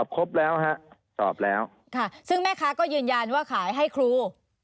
ครับสือแม่คะก็ยืนยันให้ขายให้ครู